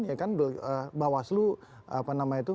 ya kan bawaslu menerima laporan itu